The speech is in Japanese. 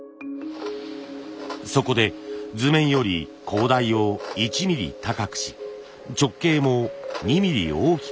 そこで図面より高台を１ミリ高くし直径も２ミリ大きく